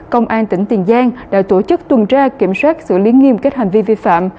công an tỉnh tiền giang đã tổ chức tuần tra kiểm soát xử lý nghiêm các hành vi vi phạm